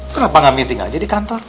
kenapa gak meeting aja di kantor